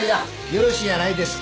よろしいやないですか。